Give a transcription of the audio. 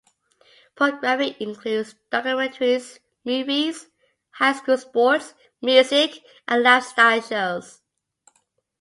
Programming includes documentaries, movies, high school sports, music, and lifestyle shows.